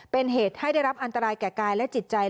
เป็นเหตุให้ได้รับอันตรายแก่กายและจิตใจ